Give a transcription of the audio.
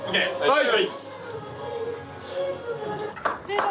・はい！